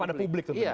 kepada publik tentunya